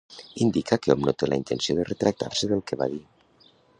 Indica que hom no té la intenció de retractar-se del que va dir.